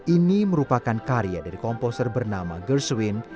ini merupakan karya dari komposer bernama gerswin